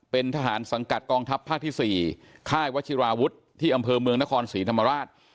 เป็นทหารสังกัดกองทัพภาคที่๔ค่ายวัชิราวุฒิที่อำเภอเมืองนครศรีธรรมราช